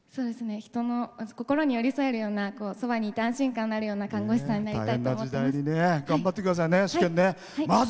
人の心により添えるようなそばにいて安心感のあるような看護師さんになりたいと思っています。